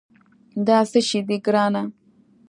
دا څه شي دي، ګرانه؟